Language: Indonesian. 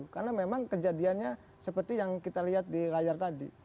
karena memang kejadiannya seperti yang kita lihat di layar tadi